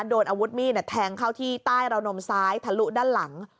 โดนอาวุธมีดแทงเข้าที่ใต้ราวนมซ้ายทะลุด้านหลัง